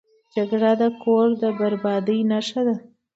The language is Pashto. جګړه د کور د بربادۍ نښه ده